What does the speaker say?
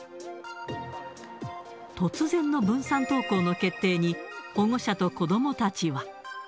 突然の分散登校の決定に、保護者と子どもたちは。